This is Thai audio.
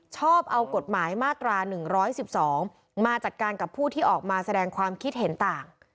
ชอบเอากฎหมายมาตรา๑๑๒มาจัดการกับผู้ที่ออกมาแสดงความคิดเห็นต่าง